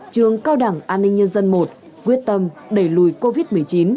trường cao đẳng an ninh nhân dân i quyết tâm đẩy lùi covid một mươi chín